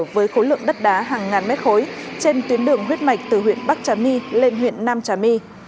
với khối lượng đất đá hàng ngàn mét khối trên tuyến đường huyết mạch từ huyện bắc trà my lên huyện nam trà my